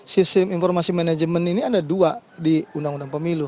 sistem informasi manajemen ini ada dua di undang undang pemilu